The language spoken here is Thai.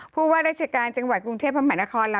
ผู้ว่าราชการจังหวัดกรุงเทพมหานครล่ะ